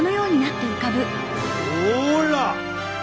ほら！